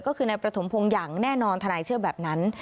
ก็คือนายประถมพงศ์อย่างแน่นอนทนายเชื่อแบบนั้น